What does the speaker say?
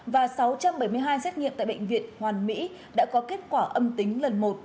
và sáu trăm bảy mươi hai xét nghiệm tại bệnh viện hoàn mỹ đã có kết quả âm tính lần một